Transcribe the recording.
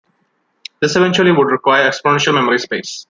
This eventually would require exponential memory space.